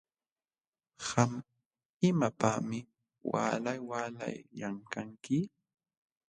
Qam ¿imapaqmi waalay waalay llamkanki?